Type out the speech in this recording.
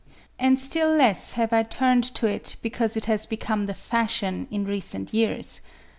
And still less have I turned to it because it has become the fashion in recent years.